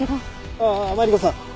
ああマリコさん